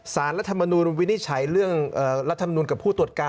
รัฐมนูลวินิจฉัยเรื่องรัฐมนุนกับผู้ตรวจการ